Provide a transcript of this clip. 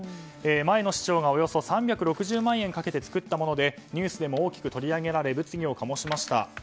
前の市長がおよそ３６０万円かけて作ったものでニュースでも大きく取り上げられ物議を醸しました。